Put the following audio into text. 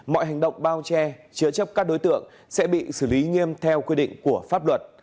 mọi hành động bao che chứa chấp các đối tượng sẽ bị xử lý nghiêm theo quy định của pháp luật